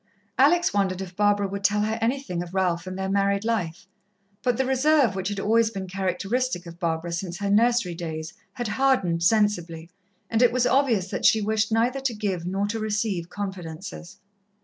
Alex wondered if Barbara would tell her anything of Ralph and their married life, but the reserve which had always been characteristic of Barbara since her nursery days, had hardened sensibly, and it was obvious that she wished neither to give nor to receive confidences.